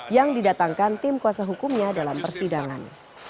yang didatangkan tim kuasa hukumnya dalam persidangan